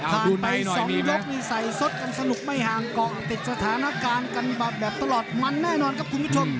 ไป๒ยกนี่ใส่สดกันสนุกไม่ห่างเกาะติดสถานการณ์กันแบบตลอดมันแน่นอนครับคุณผู้ชม